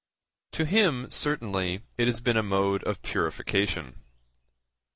To him, certainly, it has been a mode of purification.